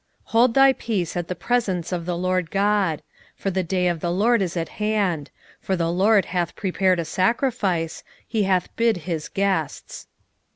1:7 Hold thy peace at the presence of the Lord GOD: for the day of the LORD is at hand: for the LORD hath prepared a sacrifice, he hath bid his guests.